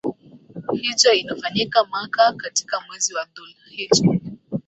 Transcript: hijja inafanyika maka katika mwezi wa dhulhija